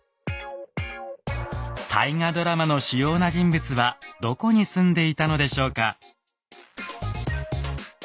大河ドラマの主要な人物はどこに住んでいたのでしょうか。